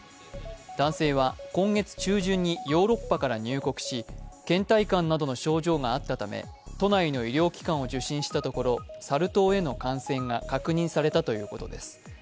男性は今月中旬にヨーロッパから入国し、けん怠感などの症状があったため、都内の医療機関を受診したところ、サル痘への感染が確認されたということです。